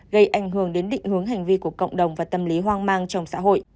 gây ảnh hưởng đến định hướng hành vi của cộng đồng và tâm lý hoang mang trong xã hội